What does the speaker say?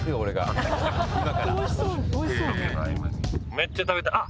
めっちゃ食べたいあっ！